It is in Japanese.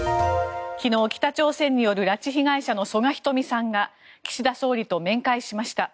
昨日、北朝鮮による拉致被害者の曽我ひとみさんが岸田総理と面会しました。